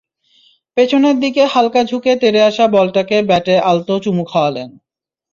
পেছনের দিকে হালকা ঝুঁকে তেড়ে আসা বলটাকে ব্যাটে আলতো চুমু খাওয়ালেন।